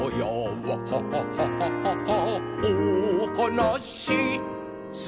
ワハハハハハハおはなしする」